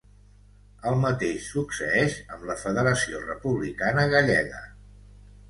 El mateix succeeix amb la Federació Republicana Gallega.